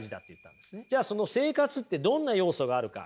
じゃあその生活ってどんな要素があるか？